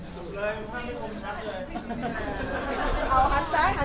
สวัสดีค่ะ